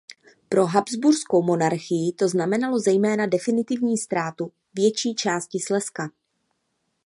Pro Habsburskou monarchii to znamenalo zejména definitivní ztrátu větší části Slezska.